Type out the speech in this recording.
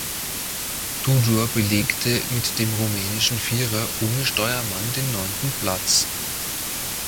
Tudor belegte mit dem rumänischen Vierer ohne Steuermann den neunten Platz.